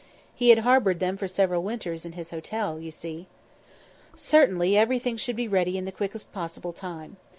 He had harboured them for several winters in his hotel, you see. Certainly everything should be ready in the quickest possible time.